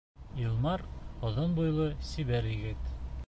Илмар оҙон буйлы, сибәр егет.